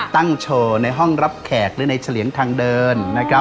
ตั้งโชว์ในห้องรับแขกหรือในเฉลี่ยงทางเดิน